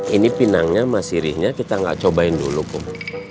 ini pinangnya sama sirihnya kita gak cobain dulu kum